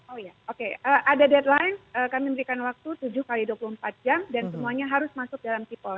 oh ya oke ada deadline kami memberikan waktu tujuh x dua puluh empat jam dan semuanya harus masuk dalam sipol